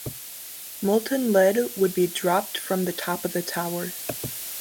Molten lead would be dropped from the top of the tower.